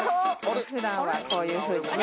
普段はこういうふうにね